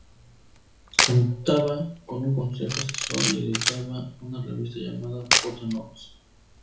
Contaba con un consejo asesor y editaban una revista llamada "Photo-Notes".